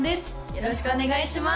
よろしくお願いします